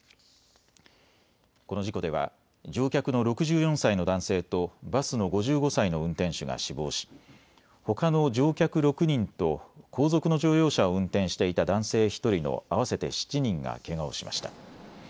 この事故では乗客の６４歳の男性とバスの５５歳の運転手が死亡しほかの乗客６人と後続の乗用車を運転していた男性１人の合わせて７人がけがをしました。